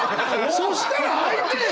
そしたら相手！